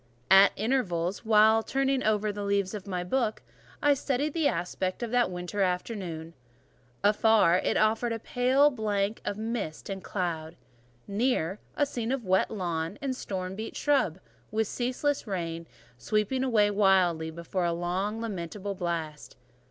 At intervals, while turning over the leaves of my book, I studied the aspect of that winter afternoon. Afar, it offered a pale blank of mist and cloud; near a scene of wet lawn and storm beat shrub, with ceaseless rain sweeping away wildly before a long and lamentable blast.